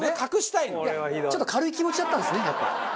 いやちょっと軽い気持ちだったんですねやっぱ。